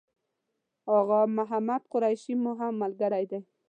آغا محمد قریشي مو هم ملګری دی.